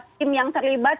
tim yang terlibat